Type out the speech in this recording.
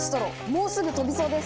もうすぐ飛びそうです。